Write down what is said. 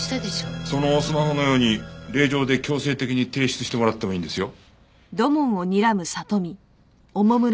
そのスマホのように令状で強制的に提出してもらってもいいんですよ。